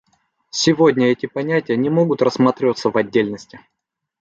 Сегодня эти понятия не могут рассматриваться в отдельности.